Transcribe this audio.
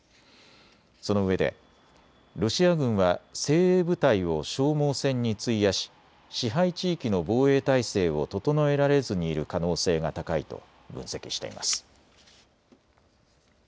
そのうえでロシア軍は精鋭部隊を消耗戦に費やし支配地域の防衛態勢を整えられずにいる可能性が高いと分析しています。